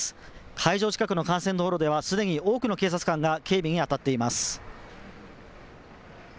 会場近くの幹線道路ではすでに多くの警察官が警備にあたっています。